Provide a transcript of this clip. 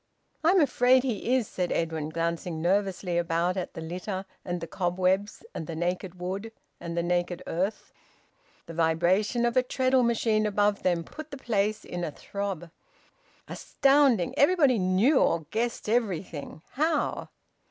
"I'm afraid he is," said Edwin, glancing nervously about at the litter, and the cobwebs, and the naked wood, and the naked earth. The vibration of a treadle machine above them put the place in a throb. Astounding! Everybody knew or guessed everything! How?